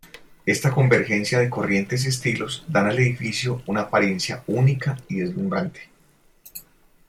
Esta convergencia de corrientes y estilos dan al edificio una apariencia única y deslumbrante.